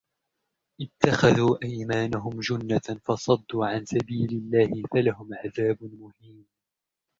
اتَّخَذُوا أَيْمَانَهُمْ جُنَّةً فَصَدُّوا عَنْ سَبِيلِ اللَّهِ فَلَهُمْ عَذَابٌ مُهِينٌ